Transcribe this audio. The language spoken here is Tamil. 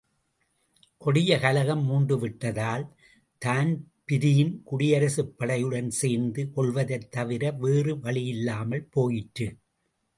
கொடிய கலகம் மூண்டுவிட்டதால், தான்பிரீன் குடியரசுப் படையுடன் சேர்ந்து கொள்வதைத் தவிர வேறு வழியில்லாமற் போயிற்று.